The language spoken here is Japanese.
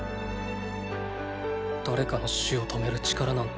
誰かの死を止める力なんて